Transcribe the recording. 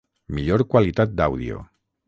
Millor qualitat d'àudio.